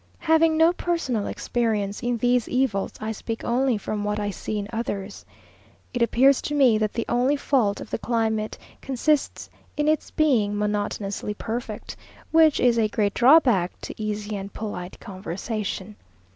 Having no personal experience in these evils, I speak only from what I see in others. It appears to me that the only fault of the climate consists in its being monotonously perfect, which is a great drawback to easy and polite conversation.